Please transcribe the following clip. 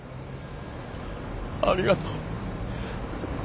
ありがとう。